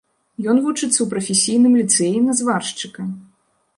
Ён вучыцца ў прафесійным ліцэі на зваршчыка.